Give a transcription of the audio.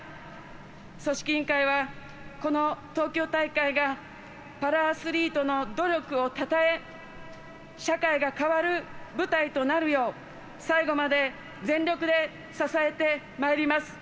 組織委員会は、この東京大会がパラアスリートの努力をたたえ社会が変わる舞台となるよう最後まで全力で支えてまいります。